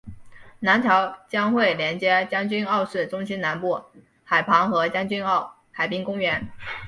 南桥将会连接将军澳市中心南部海旁和将军澳海滨公园。